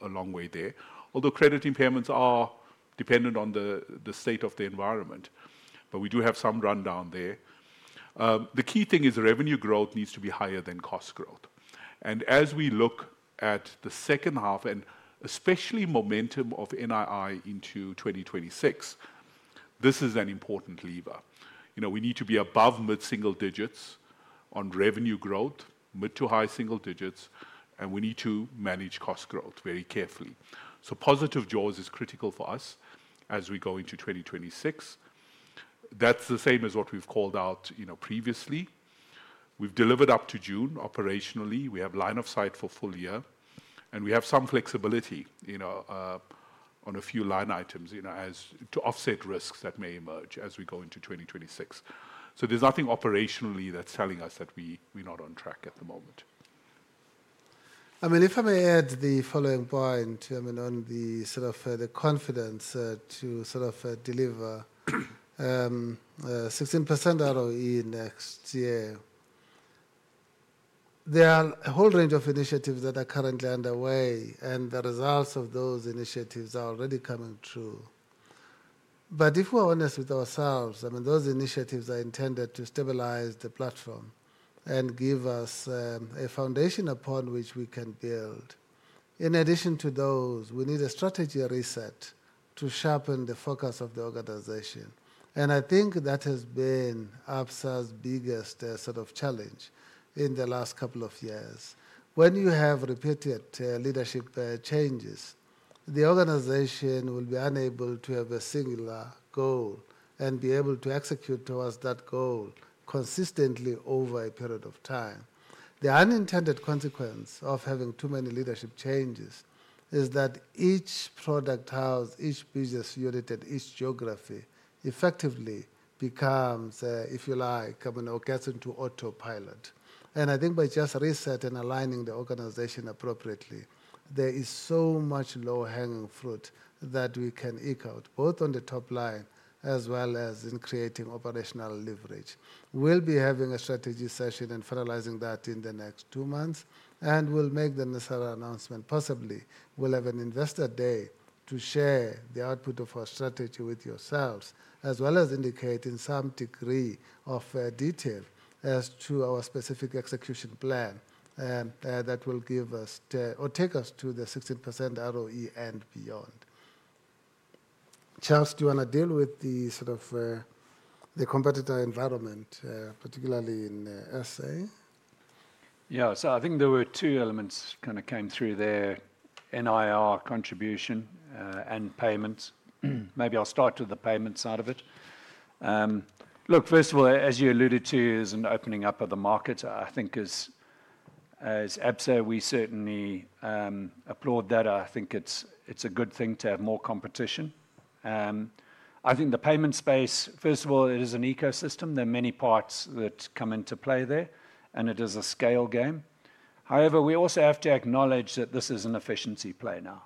a long way there. Although credit impairments are dependent on the state of the environment, we do have some rundown there. The key thing is revenue growth needs to be higher than cost growth. As we look at the second half, and especially momentum of NII into 2026, this is an important lever. We need to be above mid-single digits on revenue growth, mid-to-high single digits, and we need to manage cost growth very carefully. Positive jaws is critical for us as we go into 2026. That's the same as what we've called out previously. We've delivered up to June operationally. We have line of sight for full year, and we have some flexibility on a few line items to offset risks that may emerge as we go into 2026. There's nothing operationally that's telling us that we're not on track at the moment. If I may add the following point, on the sort of the confidence to deliver 16% ROE next year, there are a whole range of initiatives that are currently underway, and the results of those initiatives are already coming true. If we're honest with ourselves, those initiatives are intended to stabilize the platform and give us a foundation upon which we can build. In addition to those, we need a strategy reset to sharpen the focus of the organization. I think that has been Absa's biggest sort of challenge in the last couple of years. When you have repeated leadership changes, the organization will be unable to have a singular goal and be able to execute towards that goal consistently over a period of time. The unintended consequence of having too many leadership changes is that each product house, each business unit, and each geography effectively becomes, if you like, or gets into autopilot. By just resetting and aligning the organization appropriately, there is so much low-hanging fruit that we can eke out, both on the top line as well as in creating operational leverage. We'll be having a strategy session and finalizing that in the next two months, and we'll make the necessary announcement. Possibly, we'll have an investor day to share the output of our strategy with yourselves, as well as indicate in some degree of detail as to our specific execution plan that will give us or take us to the 16% ROE and beyond. Charles, do you want to deal with the sort of the competitor environment, particularly in S.A.? Yeah, so I think there were two elements that kind of came through there, NIR contribution and payments. Maybe I'll start with the payments out of it. Look, first of all, as you alluded to, is an opening up of the market. I think as Absa, we certainly applaud that. I think it's a good thing to have more competition. I think the payment space, first of all, it is an ecosystem. There are many parts that come into play there, and it is a scale game. However, we also have to acknowledge that this is an efficiency play now.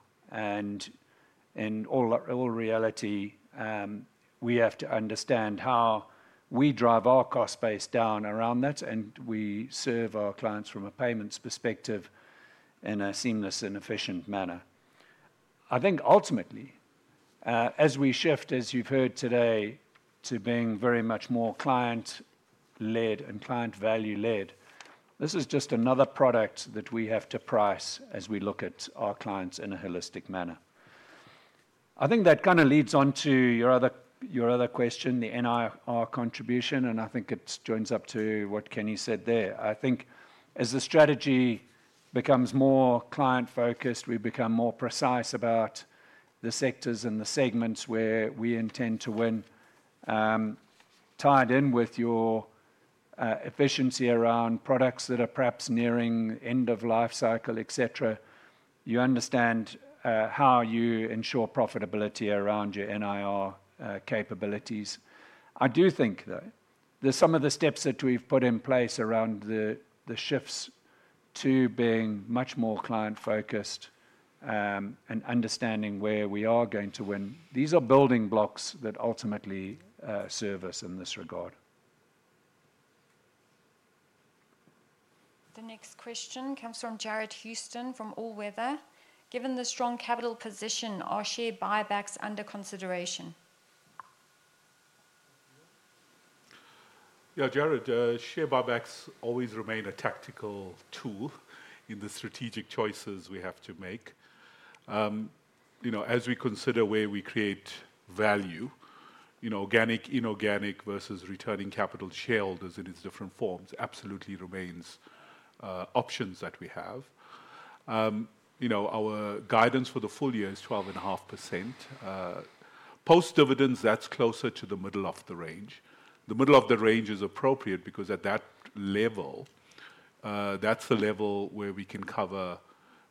In all reality, we have to understand how we drive our cost base down around that, and we serve our clients from a payments perspective in a seamless and efficient manner. I think ultimately, as we shift, as you've heard today, to being very much more client-led and client-value-led, this is just another product that we have to price as we look at our clients in a holistic manner. I think that kind of leads on to your other question, the NIR contribution, and I think it joins up to what Kenny said there. I think as the strategy becomes more client-focused, we become more precise about the sectors and the segments where we intend to win. Tied in with your efficiency around products that are perhaps nearing end of life cycle, etc., you understand how you ensure profitability around your NIR capabilities. I do think, though, that some of the steps that we've put in place around the shifts to being much more client-focused and understanding where we are going to win, these are building blocks that ultimately serve us in this regard. The next question comes from Jared Houston from All Weather. Given the strong capital position, are share buybacks under consideration? Yeah, Jared, share buybacks always remain a tactical tool in the strategic choices we have to make. As we consider where we create value, organic, inorganic versus returning capital to shareholders in its different forms, absolutely remains options that we have. Our guidance for the full year is 12.5%. Post-dividends, that's closer to the middle of the range. The middle of the range is appropriate because at that level, that's the level where we can cover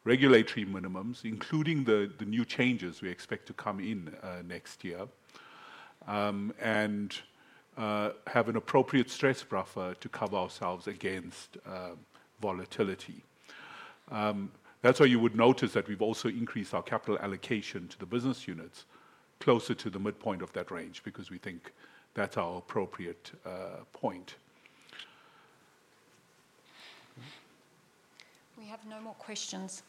regulatory minimums, including the new changes we expect to come in next year, and have an appropriate stress buffer to cover ourselves against volatility. That's why you would notice that we've also increased our capital allocation to the business units closer to the midpoint of that range because we think that's our appropriate point. We have no more questions.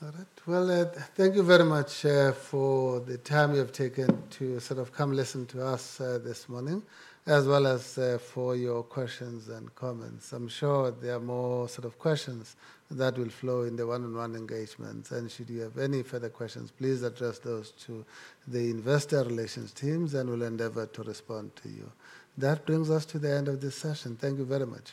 Thank you very much for the time you've taken to sort of come listen to us this morning, as well as for your questions and comments. I'm sure there are more sort of questions that will flow in the one-on-one engagement. Should you have any further questions, please address those to the investor relations teams, and we'll endeavor to respond to you. That brings us to the end of this session. Thank you very much.